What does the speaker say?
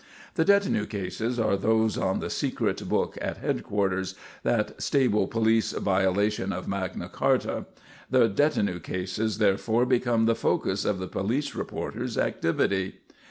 The "detinue" cases are those on the secret book at headquarters, that stable police violation of Magna Charta; the detinue cases, therefore, become the focus of the police reporter's activity.